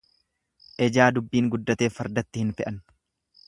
Ejaa dubbin guddateef fardatti hin fe'an.